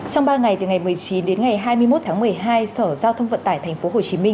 trong ba ngày từ ngày một mươi chín đến ngày hai mươi một tháng một mươi hai sở giao thông vận tải tp hcm